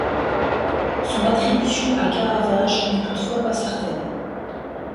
Son attribution à Caravage n'est toutefois pas certaine.